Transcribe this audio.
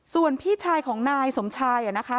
ส่วนพี่ชายของนายสมชายนะคะ